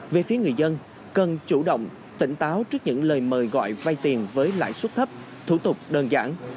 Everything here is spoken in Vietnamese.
về phía người dân cần chủ động tỉnh táo trước những lời mời gọi vay tiền với lãi suất thấp thủ tục đơn giản